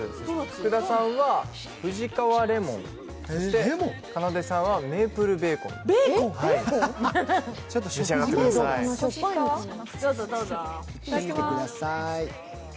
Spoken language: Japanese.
福田さんはフジカワレモン、そしてかなでさんはメープルベーコン。召し上がってください。